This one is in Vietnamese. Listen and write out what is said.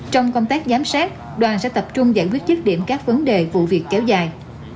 trong công tác giám sát đoàn sẽ tập trung giải quyết chức điểm các vấn đề vụ việc kéo dài